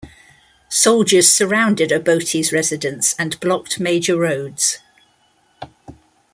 Soldiers surrounded Obote's residence and blocked major roads.